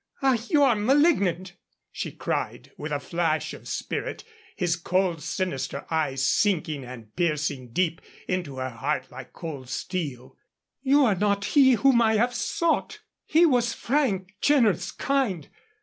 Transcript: "Ah, you are malignant," she cried, with a flash of spirit, his cold, sinister eye sinking and piercing deep into her heart like cold steel. "You are not he whom I have sought. He was frank, generous, kind.